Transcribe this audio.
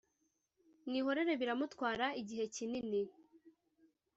Mwihorere biramutwara igihe kinini